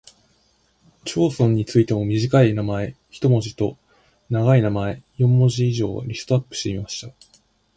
町村についても短い名前（一文字）と長い名前（四文字以上）をリストアップしてみました。